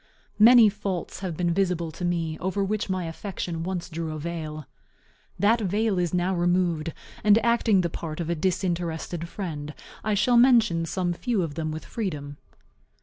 Many faults have been visible to me, over which my affection once drew a veil. That veil is now removed; and acting the part of a disinterested friend, I shall mention some few of them with freedom.